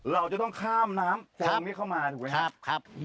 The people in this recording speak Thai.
เราจะต้องข้ามน้ำตรงนี้เข้ามาถูกไหมครับ